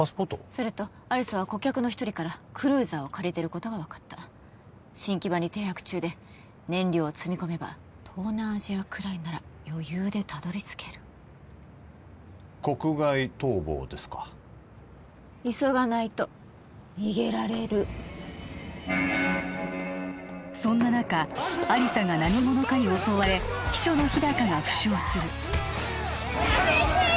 それと亜理紗は顧客の一人からクルーザーを借りてることが分かった新木場に停泊中で燃料を積み込めば東南アジアくらいなら余裕でたどり着ける国外逃亡ですか急がないと逃げられるそんな中亜理紗が何者かに襲われ秘書の日高が負傷するやめてよ！